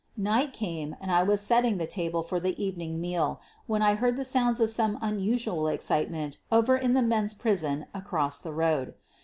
Night came and I was setting the table for the evening meal when I heard the sounds of some un usual excitement over in the men's prison, across the road.